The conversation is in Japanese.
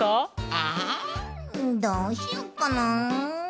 えどうしよっかなあ。